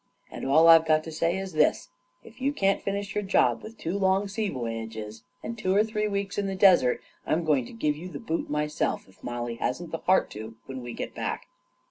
And all I've got to say is this : if you can't finish your job with two long sea voyages and two or three weeks in the desert, I'm going to give you the boot myself, if Mollie hasn't the heart to, when we get back